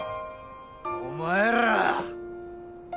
お前ら！